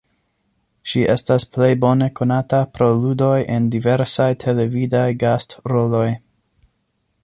Ŝi estas plej bone konata pro ludoj en diversaj televidaj gast-roloj.